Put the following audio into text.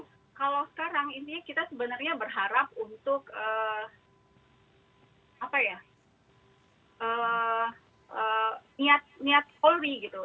sekarang kalau sekarang intinya kita sebenarnya berharap untuk apa ya niat polri gitu